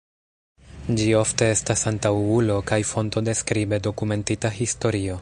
Ĝi ofte estas antaŭulo kaj fonto de skribe dokumentita historio.